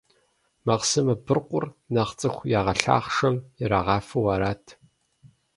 Махъсымэ быркъур нэхъ цӀыху ягъэлъахъшэм ирагъафэу арат.